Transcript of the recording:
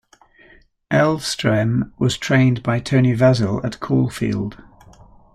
Elvstroem was trained by Tony Vasil at Caulfield.